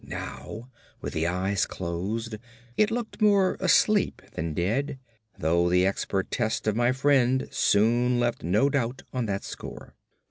Now, with the eyes closed, it looked more asleep than dead; though the expert test of my friend soon left no doubt on that score.